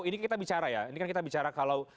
ini kita bicara ya ini kan kita bicara kalau